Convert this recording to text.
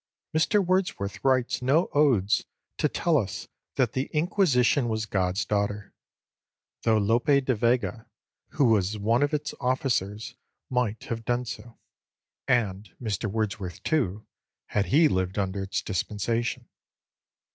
Mr Wordsworth writes no odes to tell us that the Inquisition was God's daughter; though Lope de Vega, who was one of its officers, might have done so and Mr Wordsworth too, had he lived under its dispensation.